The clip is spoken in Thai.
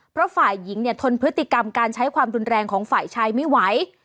เพราะฝ่ายหญิงเนี่ยทนพฤติกรรมการใช้ความรุนแรงของฝ่ายชายไม่ไหว